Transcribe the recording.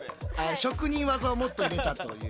職人技をもっと入れたという。